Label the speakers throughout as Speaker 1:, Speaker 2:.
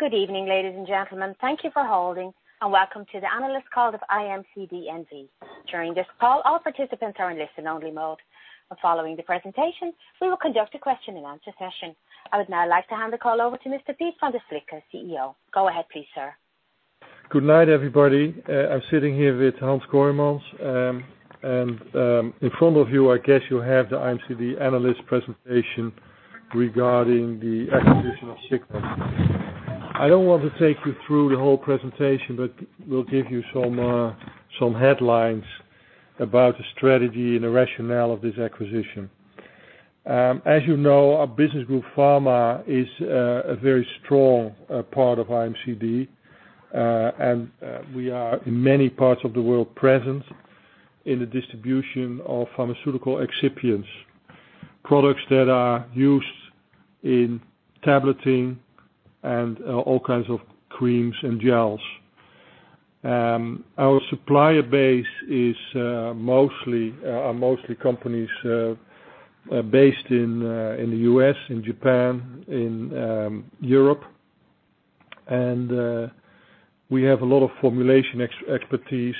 Speaker 1: Good evening, ladies and gentlemen. Thank you for holding, and welcome to the analyst call of IMCD NV. During this call, all participants are in listen-only mode. Following the presentation, we will conduct a question-and-answer session. I would now like to hand the call over to Mr. Piet van der Slikke, CEO. Go ahead, please, sir.
Speaker 2: Good night, everybody. I'm sitting here with Hans Kooijmans. In front of you, I guess you have the IMCD analyst presentation regarding the acquisition of Signet. I don't want to take you through the whole presentation, but we'll give you some headlines about the strategy and the rationale of this acquisition. As you know, our business group pharma is a very strong part of IMCD. We are, in many parts of the world, present in the distribution of pharmaceutical excipients, products that are used in tableting and all kinds of creams and gels. Our supplier base are mostly companies based in the U.S., in Japan, in Europe, and we have a lot of formulation expertise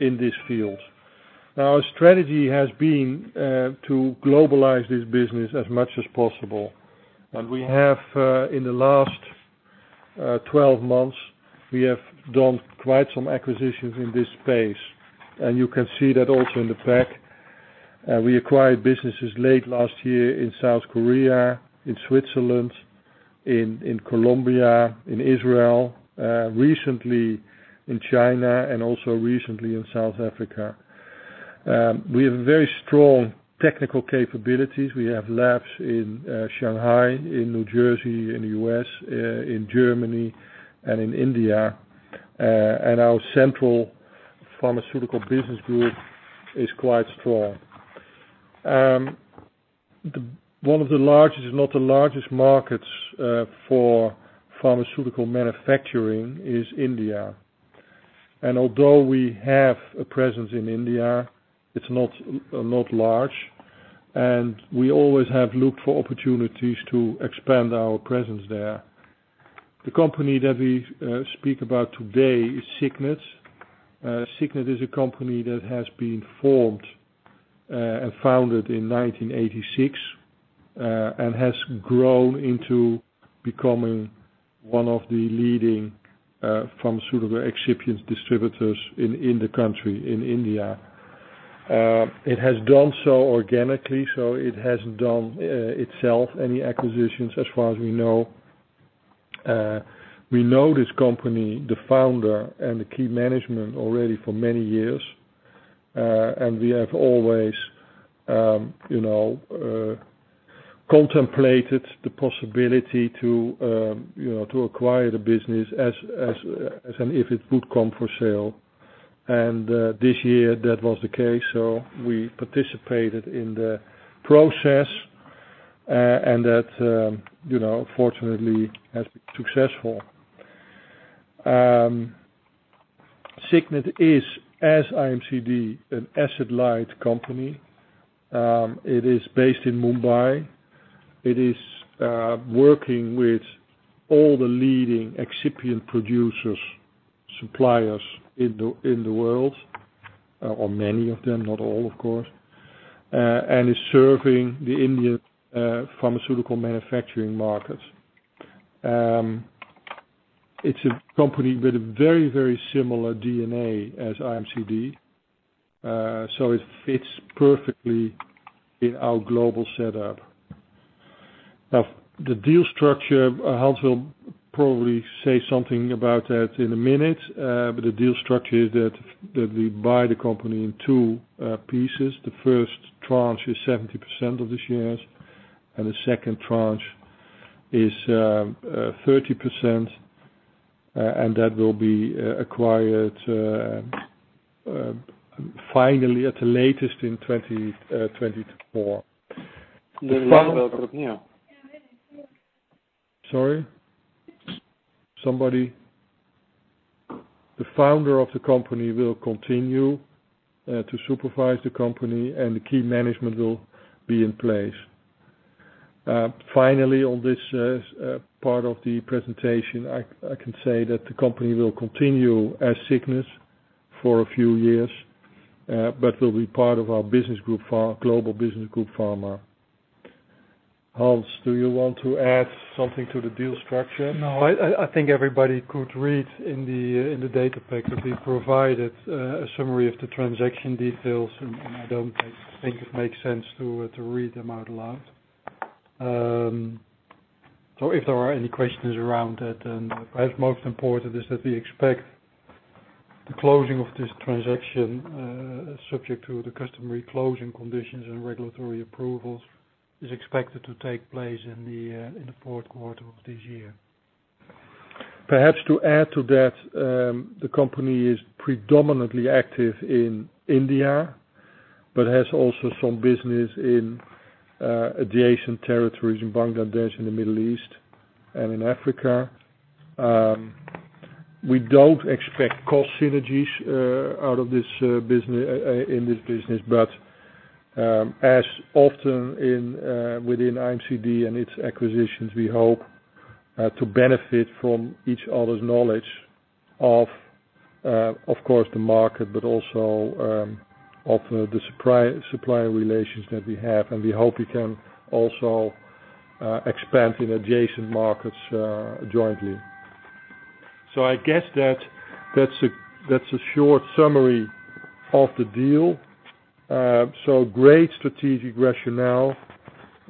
Speaker 2: in this field. Our strategy has been to globalize this business as much as possible. We have, in the last 12 months, done quite some acquisitions in this space. You can see that also in the pack. We acquired businesses late last year in South Korea, in Switzerland, in Colombia, in Israel, recently in China, and also recently in South Africa. We have very strong technical capabilities. We have labs in Shanghai, in New Jersey, in the U.S., in Germany, and in India. Our central pharmaceutical business group is quite strong. One of the largest, if not the largest market for pharmaceutical manufacturing is India. Although we have a presence in India, it's not large, and we always have looked for opportunities to expand our presence there. The company that we speak about today is Signet. Signet is a company that has been formed and founded in 1986, and has grown into becoming one of the leading pharmaceutical excipient distributors in the country, in India. It has done so organically. It hasn't done itself any acquisitions as far as we know. We know this company, the founder, and the key management already for many years. We have always contemplated the possibility to acquire the business if it would come for sale. This year, that was the case, so we participated in the process, and that fortunately has been successful. Signet is, as IMCD, an asset-light company. It is based in Mumbai. It is working with all the leading excipient producers, suppliers in the world, or many of them, not all of course, and is serving the Indian pharmaceutical manufacturing markets. It's a company with a very similar DNA as IMCD, so it fits perfectly in our global setup. Now, the deal structure, Hans will probably say something about that in a minute. The deal structure is that we buy the company in two pieces. The first tranche is 70% of the shares, and the second tranche is 30% and that will be acquired finally, at the latest, in 2024. Sorry? The founder of the company will continue to supervise the company and the key management will be in place. Finally, on this part of the presentation, I can say that the company will continue as Signet for a few years. Will be part of our global business group pharma. Hans, do you want to add something to the deal structure? No, I think everybody could read in the data pack that we provided a summary of the transaction details, and I don't think it makes sense to read them out loud. If there are any questions around it, then perhaps most important is that we expect the closing of this transaction, subject to the customary closing conditions and regulatory approvals, is expected to take place in the Q4 of this year. Perhaps to add to that, the company is predominantly active in India, but has also some business in adjacent territories in Bangladesh and the Middle East and in Africa. We don't expect cost synergies in this business. As often within IMCD and its acquisitions, we hope to benefit from each other's knowledge of course, the market, but also of the supplier relations that we have. We hope we can also expand in adjacent markets jointly. I guess that's a short summary of the deal. Great strategic rationale,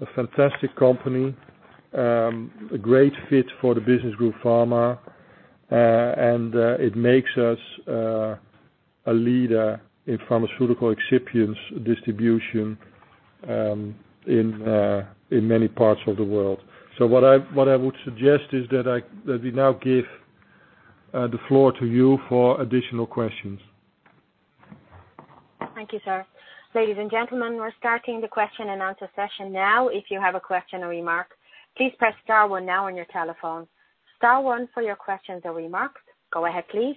Speaker 2: a fantastic company, a great fit for the business group pharma. It makes us a leader in pharmaceutical excipients distribution in many parts of the world. What I would suggest is that we now give the floor to you for additional questions.
Speaker 1: Thank you, sir. Ladies and gentlemen, we're starting the question-and-answer session now. If you have a question or remark, please press star one now on your telephone. Star one for your questions or remarks. Go ahead, please.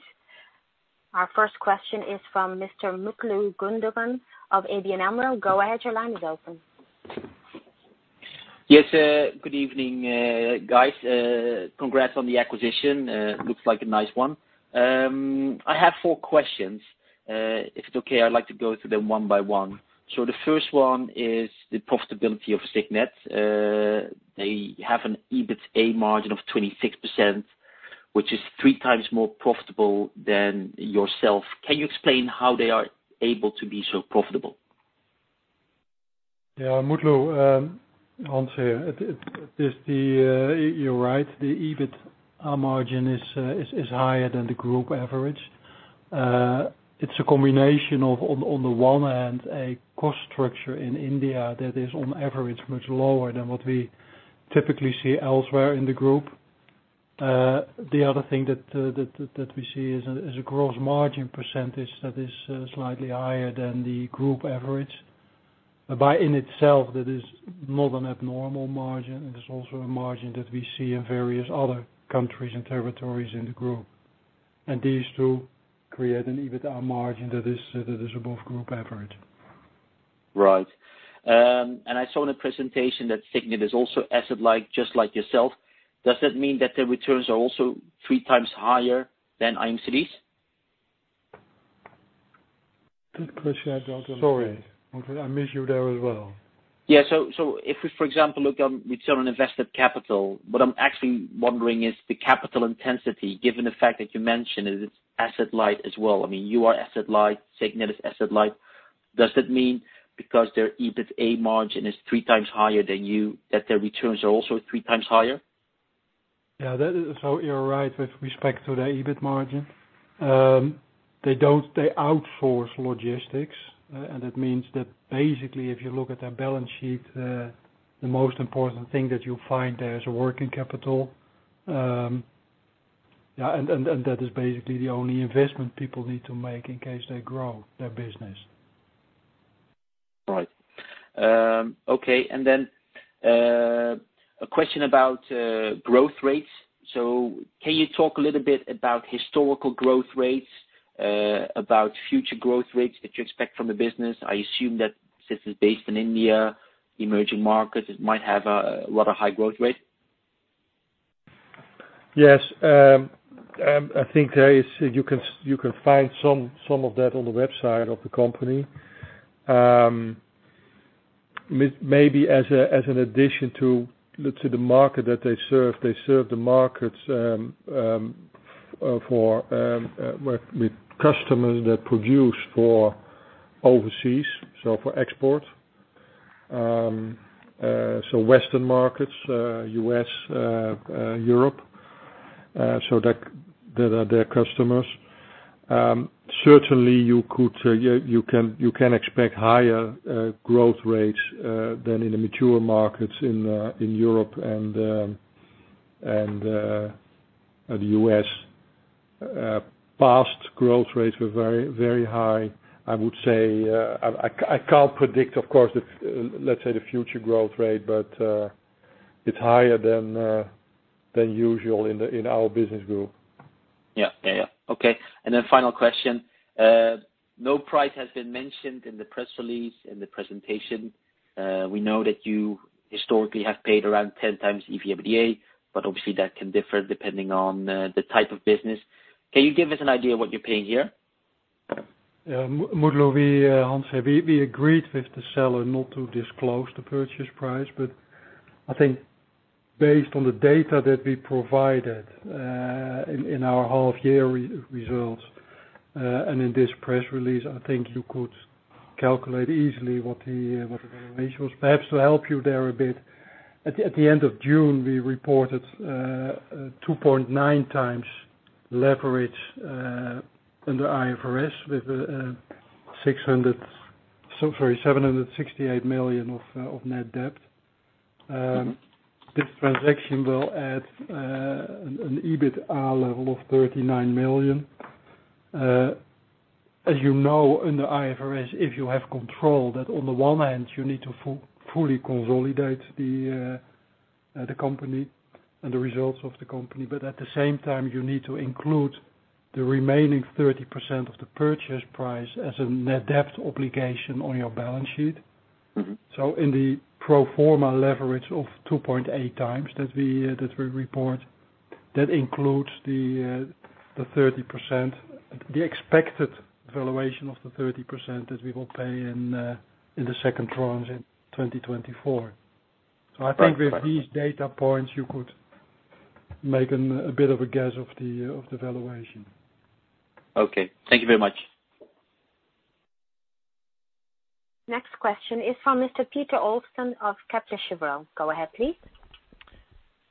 Speaker 1: Our first question is from Mr. Mutlu Gundogan of ABN Amro. Go ahead, your line is open.
Speaker 3: Yes. Good evening, guys. Congrats on the acquisition. Looks like a nice one. I have four questions. If it's okay, I'd like to go through them one by one. The first one is the profitability of Signet. They have an EBITA margin of 26%, which is 3x more profitable than yourself. Can you explain how they are able to be so profitable?
Speaker 2: Yeah. Mutlu, Hans here. You're right, the EBIT margin is higher than the group average. It's a combination of, on the one hand, a cost structure in India that is on average much lower than what we typically see elsewhere in the group. The other thing that we see is a gross margin percentage that is slightly higher than the group average. By in itself, that is not an abnormal margin. It is also a margin that we see in various other countries and territories in the group. These two create an EBITA margin that is above group average.
Speaker 3: Right. I saw in a presentation that Signet is also asset-light, just like yourself. Does that mean that their returns are also 3x higher than IMCD's?
Speaker 2: Good question. Sorry. Okay. I missed you there as well.
Speaker 3: Yeah. If we, for example, look on return on invested capital, what I'm actually wondering is the capital intensity, given the fact that you mentioned it is asset light as well. I mean, you are asset light, Signet is asset light. Does that mean because their EBITA margin is 3x higher than you, that their returns are also three times higher?
Speaker 2: Yeah. You're right with respect to their EBIT margin. They outsource logistics, and that means that basically, if you look at their balance sheet, the most important thing that you'll find there is a working capital. Yeah. That is basically the only investment people need to make in case they grow their business.
Speaker 3: Right. Okay. A question about growth rates. Can you talk a little bit about historical growth rates, about future growth rates that you expect from the business? I assume that since it is based in India, emerging markets, it might have a lot of high growth rates.
Speaker 2: Yes. I think you can find some of that on the website of the company. Maybe as an addition to the market that they serve, they serve the markets with customers that produce for overseas, so for export. Western markets, U.S., Europe. They are their customers. Certainly, you can expect higher growth rates than in the mature markets in Europe and the U.S. Past growth rates were very high. I can't predict, of course, let's say, the future growth rate, but it's higher than usual in our business group.
Speaker 3: Yeah. Okay. Final question. No price has been mentioned in the press release, in the presentation. We know that you historically have paid around 10x EV/EBITA, obviously that can differ depending on the type of business. Can you give us an idea of what you're paying here?
Speaker 2: Yeah. Mutlu, Hans here. We agreed with the seller not to disclose the purchase price. I think based on the data that we provided in our half year results and in this press release, I think you could calculate easily what the valuation was. Perhaps to help you there a bit, at the end of June, we reported 2.9x leverage under IFRS with EUR 768 million of net debt. This transaction will add an EBITDA level of 39 million. As you know, in the IFRS, if you have control, that on the one hand, you need to fully consolidate the company and the results of the company. At the same time, you need to include the remaining 30% of the purchase price as a net debt obligation on your balance sheet. In the pro forma leverage of 2.8x that we report, that includes the expected valuation of the 30% that we will pay in the second tranche in 2024. I think with these data points, you could make a bit of a guess of the valuation.
Speaker 3: Okay. Thank you very much.
Speaker 1: Next question is from Mr. Peter Olsthoorn of Kepler Cheuvreux. Go ahead, please.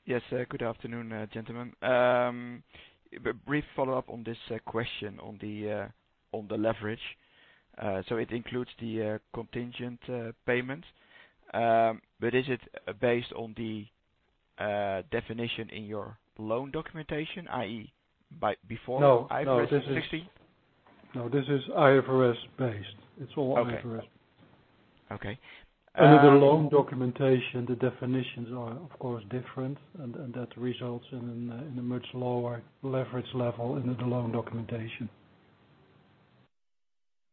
Speaker 4: Yes. Good afternoon, gentlemen. Brief follow-up on this question on the leverage. It includes the contingent payments, but is it based on the definition in your loan documentation, i.e.?
Speaker 2: No
Speaker 4: IFRS 16?
Speaker 2: No, this is IFRS-based. It's all IFRS.
Speaker 4: Okay.
Speaker 2: Under the loan documentation, the definitions are, of course, different, and that results in a much lower leverage level under the loan documentation.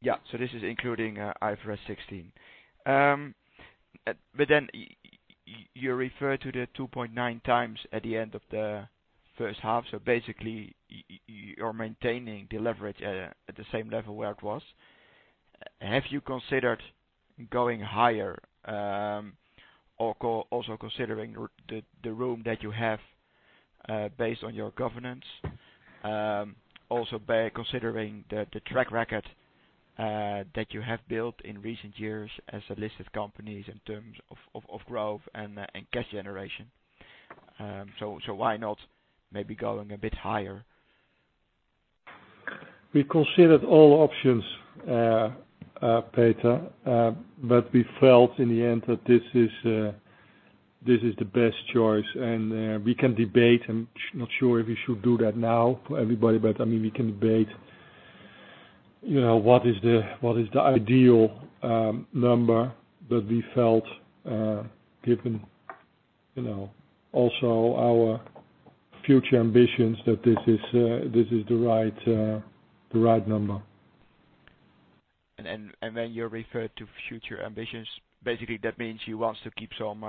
Speaker 4: Yeah. This is including IFRS 16. You refer to the 2.9x at the end of the H1. Basically, you're maintaining the leverage at the same level where it was. Have you considered going higher? Considering the room that you have, based on your governance. By considering the track record that you have built in recent years as a listed company in terms of growth and cash generation. Why not maybe going a bit higher?
Speaker 2: We considered all options, Peter, but we felt in the end that this is the best choice and we can debate. I'm not sure if we should do that now for everybody, but we can debate what is the ideal number that we felt, given also our future ambitions, that this is the right number.
Speaker 4: When you refer to future ambitions, basically, that means you want to keep some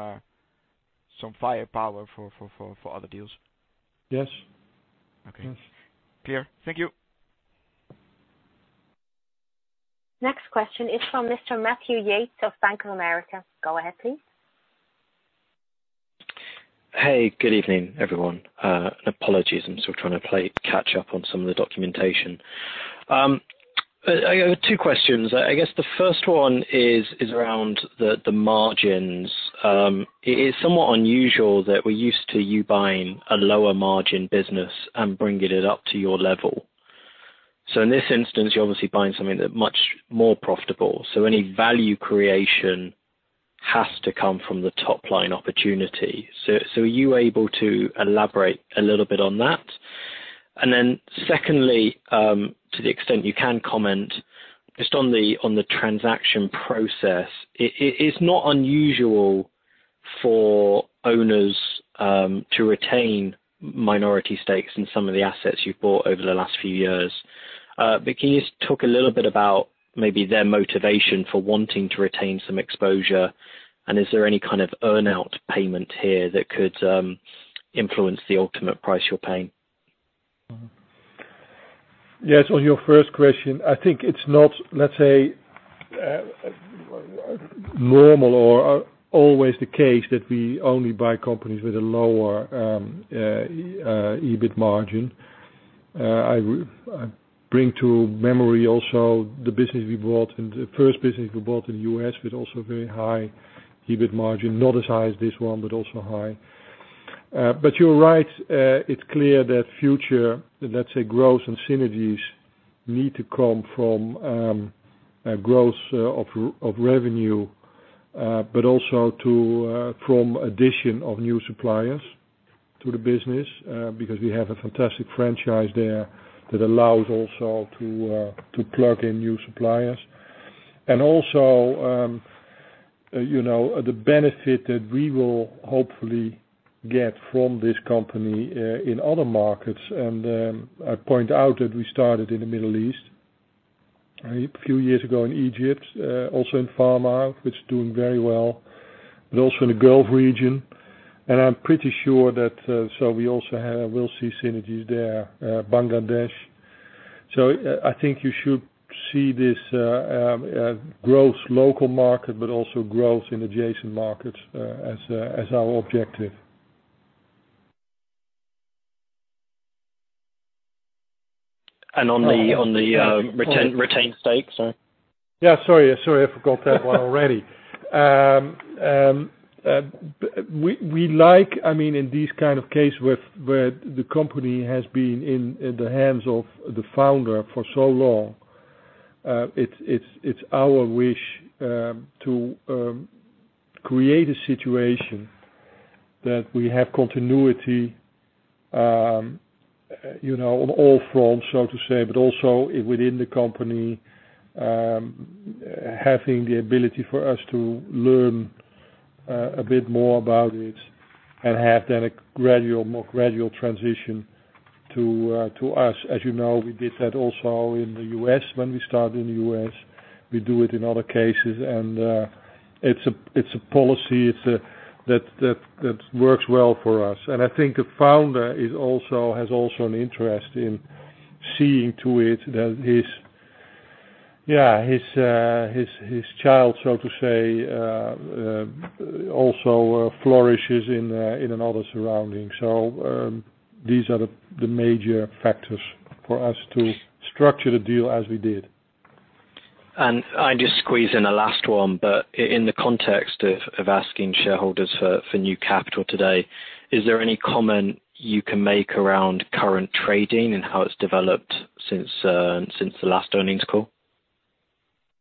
Speaker 4: firepower for other deals.
Speaker 2: Yes.
Speaker 4: Okay.
Speaker 2: Yes.
Speaker 4: Clear. Thank you.
Speaker 1: Next question is from Mr. Matthew Yates of Bank of America. Go ahead, please.
Speaker 5: Hey, good evening, everyone. Apologies, I'm still trying to play catch up on some of the documentation. I got two questions. I guess the first one is around the margins. It is somewhat unusual that we're used to you buying a lower margin business and bringing it up to your level. In this instance, you're obviously buying something that much more profitable. Any value creation has to come from the top-line opportunity. Are you able to elaborate a little bit on that? Secondly, to the extent you can comment just on the transaction process, it is not unusual for owners to retain minority stakes in some of the assets you've bought over the last few years. Can you just talk a little bit about maybe their motivation for wanting to retain some exposure? Is there any kind of earn-out payment here that could influence the ultimate price you're paying?
Speaker 2: Yes. On your first question, I think it's not, let's say, normal or always the case that we only buy companies with a lower EBIT margin. I bring to memory also the business we bought and the first business we bought in the U.S. was also very high EBIT margin. Not a size this one, also high. You're right. It's clear that future, let's say, growth and synergies need to come from growth of revenue, but also from addition of new suppliers to the business, because we have a fantastic franchise there that allows also to plug in new suppliers. Also, the benefit that we will hopefully get from this company, in other markets. I point out that we started in the Middle East a few years ago in Egypt, also in pharma, which is doing very well, but also in the Gulf region. I'm pretty sure that, so we also will see synergies there, Bangladesh. I think you should see this growth local market, but also growth in adjacent markets, as our objective.
Speaker 5: On the retained stakes?
Speaker 2: Yeah. Sorry, I forgot that one already. We like in this kind of case where the company has been in the hands of the founder for so long. It's our wish to create a situation that we have continuity on all fronts, so to say, but also within the company, having the ability for us to learn a bit more about it and have then a more gradual transition to us. As you know, we did that also in the U.S. when we started in the U.S. It's a policy that works well for us. I think the founder has also an interest in seeing to it that his child, so to say, also flourishes in another surrounding. These are the major factors for us to structure the deal as we did.
Speaker 5: I'll just squeeze in a last one. In the context of asking shareholders for new capital today, is there any comment you can make around current trading and how it's developed since the last earnings call?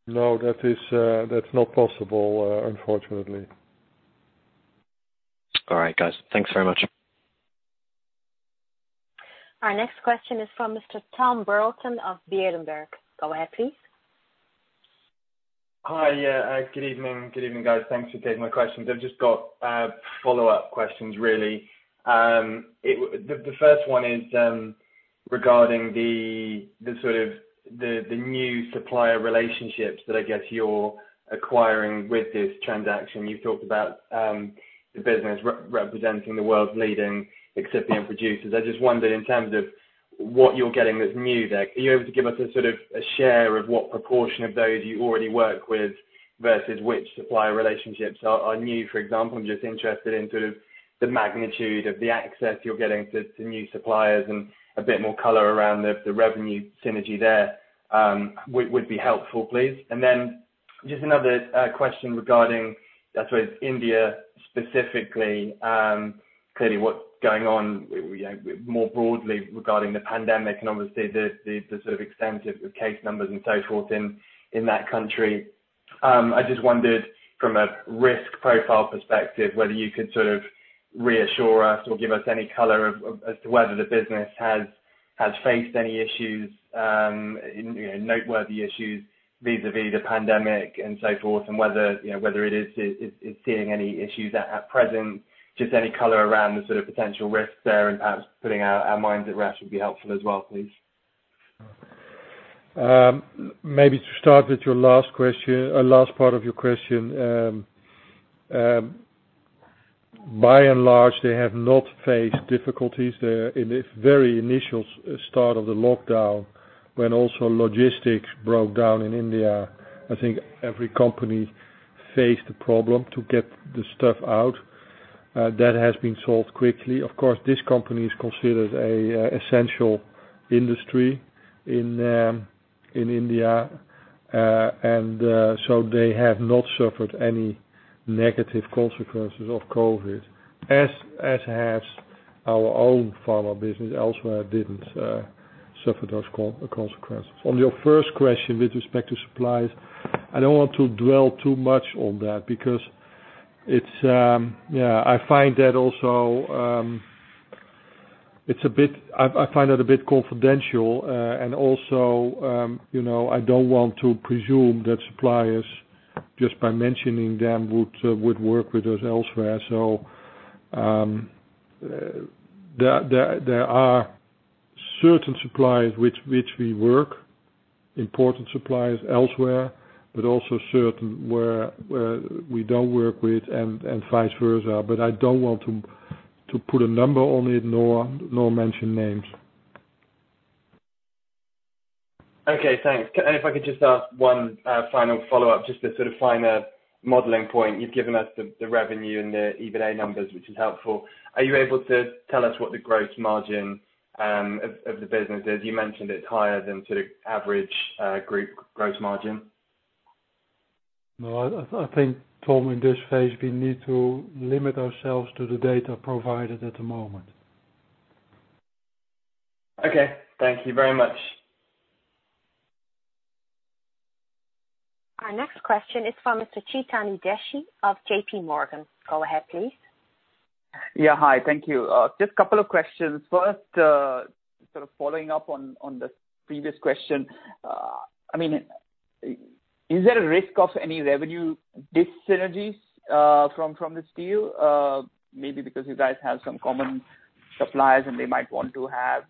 Speaker 2: No, that's not possible, unfortunately.
Speaker 5: All right, guys. Thanks very much.
Speaker 1: Our next question is from Mr. Tom Burton of Berenberg. Go ahead, please.
Speaker 6: Hi. Good evening. Good evening, guys. Thanks for taking my questions. I've just got follow-up questions really. The first one is regarding the new supplier relationships that I guess you're acquiring with this transaction. You've talked about the business representing the world's leading excipient producers. I just wondered, in terms of what you're getting that's new there, are you able to give us a share of what proportion of those you already work with versus which supplier relationships are new, for example? I'm just interested in the magnitude of the access you're getting to new suppliers and a bit more color around the revenue synergy there would be helpful, please. Just another question regarding, I suppose, India specifically. Clearly, what's going on more broadly regarding the pandemic and obviously the extent of case numbers and so forth in that country. I just wondered from a risk profile perspective, whether you could reassure us or give us any color as to whether the business has faced any noteworthy issues vis-a-vis the pandemic and so forth, and whether it's seeing any issues at present. Just any color around the potential risks there and perhaps putting our minds at rest would be helpful as well, please.
Speaker 2: Maybe to start with your last part of your question. By and large, they have not faced difficulties there. In the very initial start of the lockdown, when also logistics broke down in India, I think every company faced the problem to get the stuff out. That has been solved quickly. Of course, this company is considered a essential industry in India. They have not suffered any negative consequences of COVID, as has our own pharma business elsewhere didn't suffer those consequences. On your first question with respect to supplies, I don't want to dwell too much on that because I find that a bit confidential. Also, I don't want to presume that suppliers, just by mentioning them, would work with us elsewhere. There are certain suppliers with which we work, important suppliers elsewhere, but also certain where we don't work with and vice versa. I don't want to put a number on it, nor mention names.
Speaker 6: Okay, thanks. If I could just ask one final follow-up, just to find a modeling point. You've given us the revenue and the EBITDA numbers, which is helpful. Are you able to tell us what the gross margin of the business is? You mentioned it's higher than average group gross margin.
Speaker 2: No, I think, Tom, in this phase, we need to limit ourselves to the data provided at the moment.
Speaker 6: Okay. Thank you very much.
Speaker 1: Our next question is from Mr. Chetan Desai of J.P. Morgan. Go ahead please.
Speaker 7: Yeah. Hi, thank you. Just couple of questions. First, following up on the previous question. Is there a risk of any revenue dis-synergies from this deal? Maybe because you guys have some common suppliers, and they might want to have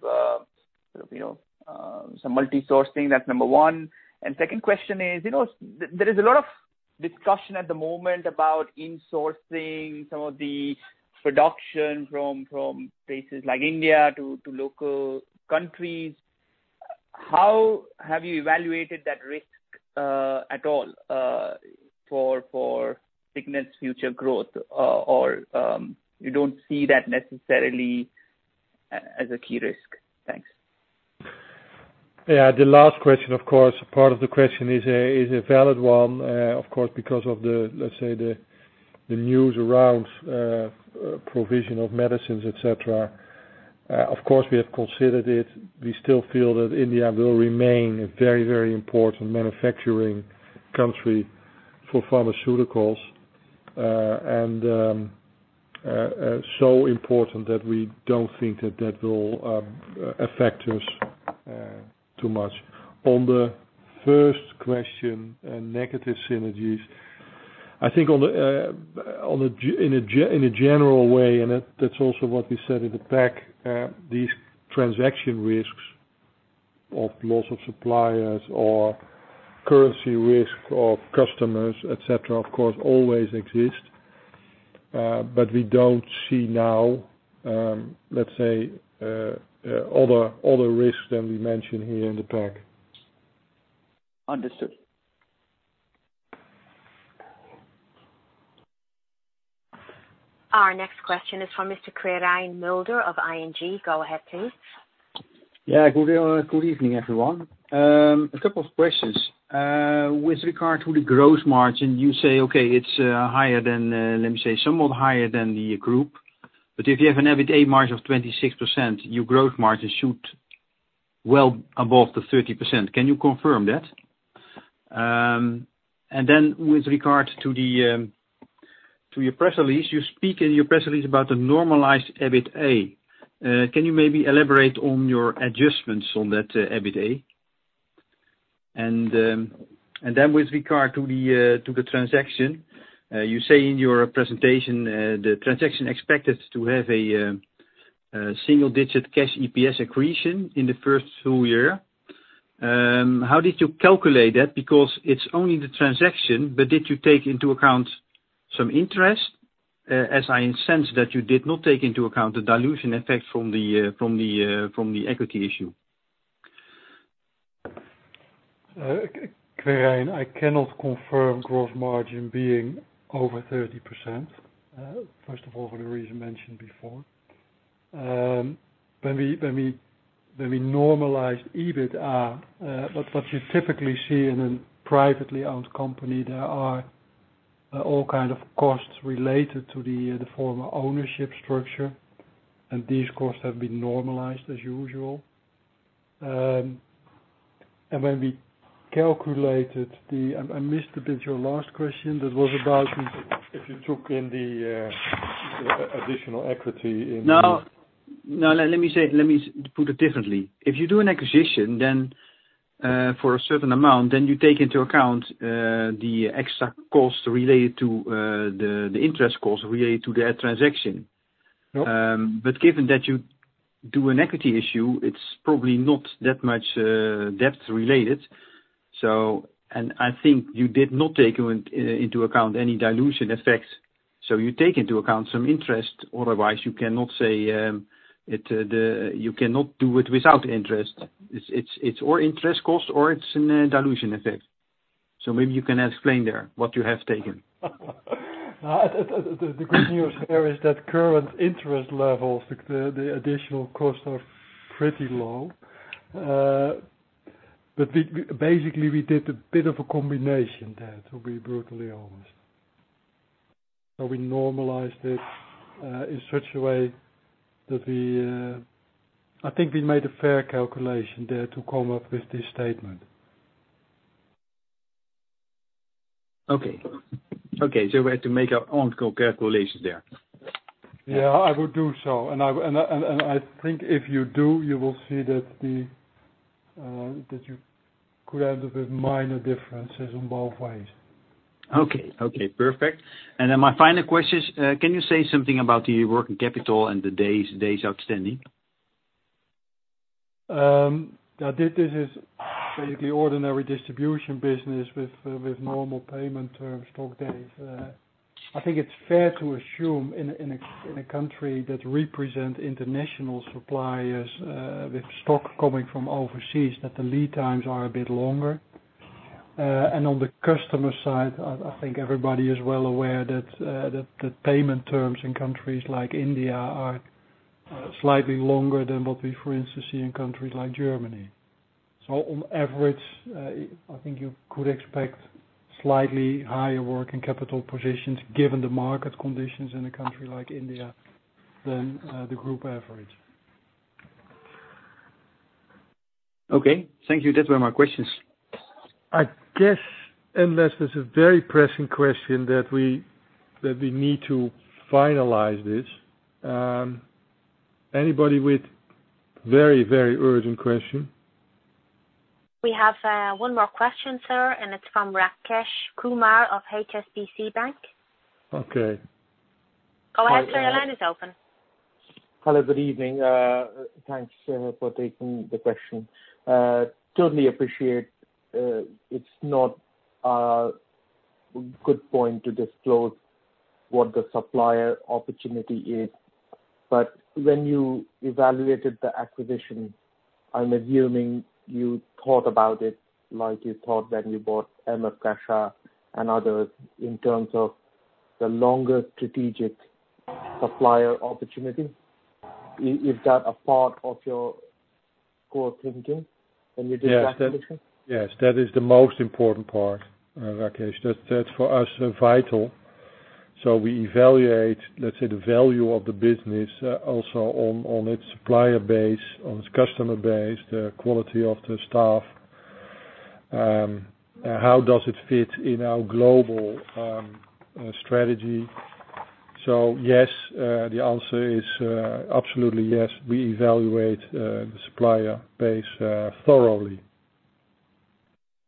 Speaker 7: some multi-sourcing. That's number one. Second question is, there is a lot of discussion at the moment about insourcing some of the production from places like India to local countries. How have you evaluated that risk at all for Signet's future growth? You don't see that necessarily as a key risk? Thanks.
Speaker 2: Yeah. The last question, of course, part of the question is a valid one. Because of the, let's say, the news around provision of medicines, et cetera. We have considered it. We still feel that India will remain a very important manufacturing country for pharmaceuticals. Important that we don't think that will affect us too much. On the first question, negative synergies. I think in a general way, and that's also what we said in the pack, these transaction risks of loss of suppliers or currency risk of customers, et cetera, of course, always exist. We don't see now, let's say, other risks than we mention here in the pack.
Speaker 7: Understood.
Speaker 1: Our next question is from Mr. Quirijn Mulder of ING. Go ahead, please.
Speaker 8: Good evening, everyone. A couple of questions. With regard to the gross margin, you say, okay, it's somewhat higher than the group, but if you have an EBITDA margin of 26%, your gross margin should well above the 30%. Can you confirm that? With regard to your press release, you speak in your press release about the normalized EBITDA. Can you maybe elaborate on your adjustments on that EBITDA? With regard to the transaction, you say in your presentation, the transaction expected to have a single-digit cash EPS accretion in the first full year. How did you calculate that? It's only the transaction, but did you take into account some interest, as I sense that you did not take into account the dilution effect from the equity issue.
Speaker 2: Quirijn, I cannot confirm gross margin being over 30%. First of all, for the reason mentioned before. When we normalize EBITDA, what you typically see in a privately owned company, there are all kind of costs related to the former ownership structure, these costs have been normalized as usual. When we calculated the I missed a bit your last question, that was about if you took in the additional equity in.
Speaker 8: Let me put it differently. If you do an acquisition for a certain amount, then you take into account the extra cost related to the interest cost related to that transaction.
Speaker 2: Yep.
Speaker 8: Given that you do an equity issue, it's probably not that much debt-related. I think you did not take into account any dilution effects. You take into account some interest, otherwise you cannot do it without interest. It's or interest cost or it's a dilution effect. Maybe you can explain there what you have taken.
Speaker 2: The good news there is that current interest levels, the additional costs are pretty low. Basically, we did a bit of a combination there, to be brutally honest. We normalized it in such a way that we I think we made a fair calculation there to come up with this statement.
Speaker 8: Okay. We had to make our own calculation there.
Speaker 2: Yeah, I would do so. I think if you do, you will see that you could end up with minor differences in both ways.
Speaker 8: Okay. Perfect. My final question is, can you say something about the working capital and the days outstanding?
Speaker 2: This is basically ordinary distribution business with normal payment term stock days. I think it's fair to assume in a country that represent international suppliers with stock coming from overseas, that the lead times are a bit longer. On the customer side, I think everybody is well aware that the payment terms in countries like India are slightly longer than what we, for instance, see in countries like Germany. On average, I think you could expect slightly higher working capital positions, given the market conditions in a country like India, than the group average.
Speaker 8: Okay. Thank you. That were my questions.
Speaker 2: I guess unless there's a very pressing question that we need to finalize this. Anybody with very urgent question?
Speaker 1: We have one more question, sir, and it's from Rakesh Kumar of HSBC Bank.
Speaker 2: Okay.
Speaker 1: Go ahead, sir. Your line is open.
Speaker 9: Hello. Good evening. Thanks for taking the question. Totally appreciate it's not a good point to disclose what the supplier opportunity is. When you evaluated the acquisition, I'm assuming you thought about it like you thought when you bought M.F. Cachat and others in terms of the longer strategic supplier opportunity. Is that a part of your core thinking when you did that acquisition?
Speaker 2: Yes. That is the most important part, Rakesh. That's for us, vital. We evaluate, let's say, the value of the business also on its supplier base, on its customer base, the quality of the staff. How does it fit in our global strategy? Yes, the answer is absolutely yes. We evaluate the supplier base thoroughly.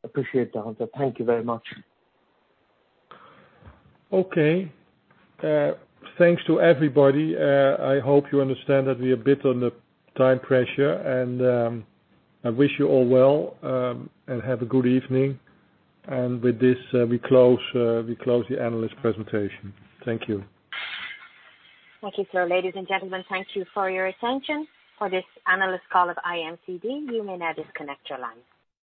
Speaker 9: Appreciate that. Thank you very much.
Speaker 2: Okay. Thanks to everybody. I hope you understand that we are a bit under time pressure, and I wish you all well, and have a good evening. With this, we close the analyst presentation. Thank you.
Speaker 1: Thank you, sir. Ladies and gentlemen, thank you for your attention for this analyst call of IMCD. You may now disconnect your line.